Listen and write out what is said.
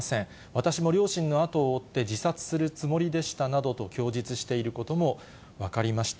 私も両親の後を追って自殺するつもりでしたなどと供述していることも分かりました。